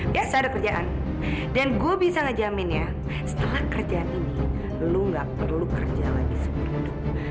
biasa ada kerjaan dan gue bisa ngejamin ya setelah kerjaan ini lu gak perlu kerja lagi seumur hidup